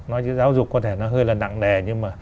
nói chứ giáo dục có thể nó hơi là nặng nề